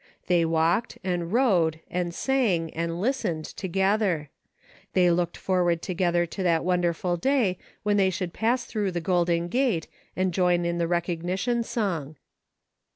They walked, and rowed, and sang, and listened, together; they looked forward together to that wonderful day when they should pass through the golden gate, and join in the recognition song.